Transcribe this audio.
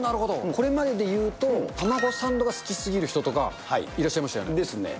これまででいうと、卵サンドが好き過ぎる人とかいらっしゃいましたよね。ですね。